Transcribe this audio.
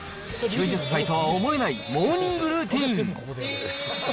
９０歳とは思えないモーニングルーティーン。